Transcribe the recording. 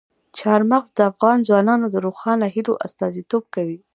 چار مغز د افغان ځوانانو د روښانه هیلو استازیتوب کوي.